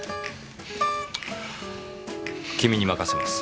君に任せます。